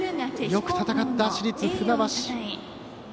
よく戦った、市立船橋。